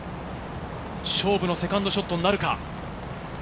勝負のセカンドショットになるか？